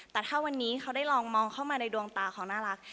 แต่ถ้าวันนี้เขาได้ลองมองเข้ามาในดวงตาเขาน่ารัก